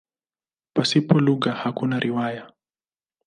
Pasipo lugha hakuna riwaya.